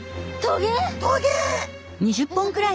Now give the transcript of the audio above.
トゲ！